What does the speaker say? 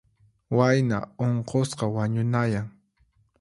Wayna unqusqa wañunayan.